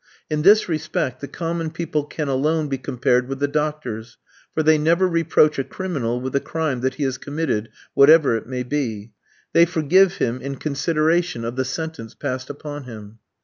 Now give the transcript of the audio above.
In this respect the common people can alone be compared with the doctors, for they never reproach a criminal with the crime that he has committed, whatever it may be. They forgive him in consideration of the sentence passed upon him.